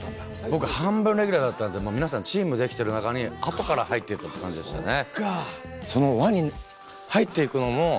僕半分レギュラーだったんで皆さんチームできてる中に後から入っていったって感じでしたね。